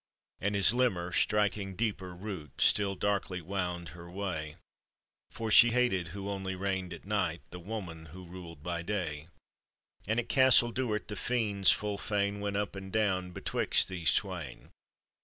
And his limmer, striking deeper root, Still darkly wound her way, For she hated, who only reigned at night, The woman who ruled by day; And at Castle Duard the fiends full fain Went up and down betwixt these twain.